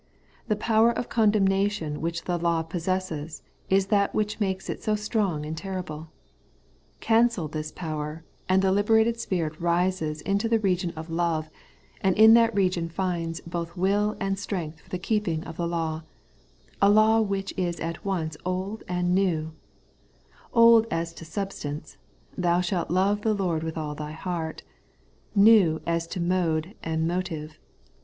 The power of condemnation which the law possesses is that which makes it so strong and terrible. Cancel this power, and the liberated spirit rises into the region of love, and in that region finds both will and strength for the keeping of the law, — a law which is at once old and new: old as to substance ('Thou shalt love the Lord with all thy heart '); new as to mode and motive.